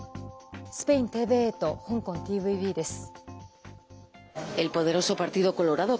スペインＴＶＥと香港ＴＶＢです。